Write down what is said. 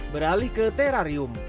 beralih ke terarium